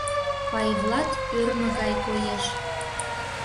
Пайвлат ӧрмӧ гай коеш.